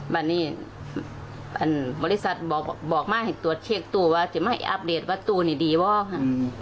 แม่บริษัทบอกมาให้ตรวจเชนต์ตู้ว่าจะไม่ให้อัปเดตว่าตู้นี่ดีว่า